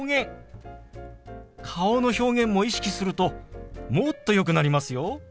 顔の表現も意識するともっとよくなりますよ。